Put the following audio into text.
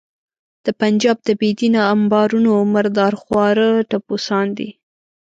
د پنجاب د بې دینه امبارونو مردار خواره ټپوسان دي.